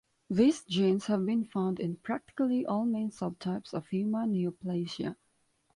These genes have been found in practically all main subtypes of human neoplasia.